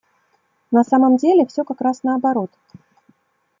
На самом деле все как раз наоборот.